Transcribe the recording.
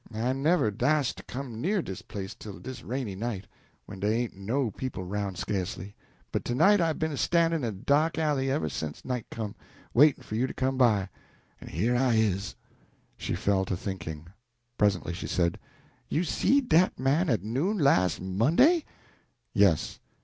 En I never dast to come near dis place till dis rainy night, when dey ain't no people roun' sca'cely. But to night I be'n a stannin' in de dark alley ever sence night come, waitin' for you to go by. En here I is." She fell to thinking. Presently she said "You seed dat man at noon, las' Monday?" "Yes."